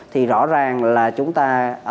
thì rõ ràng là chúng ta